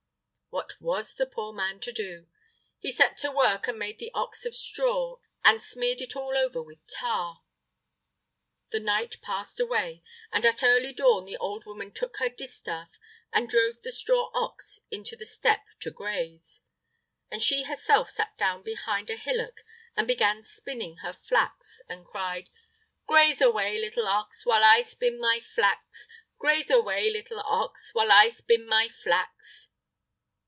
What was the poor man to do? He set to work and made the ox of straw, and smeared it all over with tar. The night passed away, and at early dawn the old woman took her distaff and drove the straw ox out into the steppe to graze, and she herself sat down behind a hillock and began spinning her flax, and cried: "Graze away, little ox, while I spin my flax; graze away, little ox, while I spin my flax!"